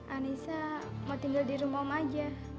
anissa mau tinggal di rumah aja